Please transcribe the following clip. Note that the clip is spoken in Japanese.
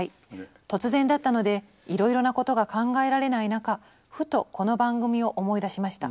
突然だったのでいろいろなことが考えられない中ふとこの番組を思い出しました。